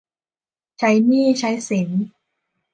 ใช้หนี้ใช้สิน